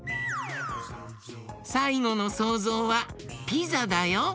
さいごのそうぞうはピザだよ。